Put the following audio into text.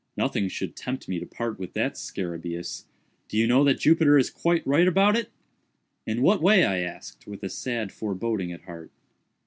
Nothing should tempt me to part with that scarabæus. Do you know that Jupiter is quite right about it?" "In what way?" I asked, with a sad foreboding at heart.